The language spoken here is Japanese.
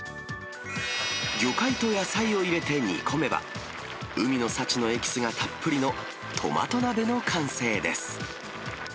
魚介と野菜を入れて煮込めば、海の幸のエキスがたっぷりのトマト鍋の完成です。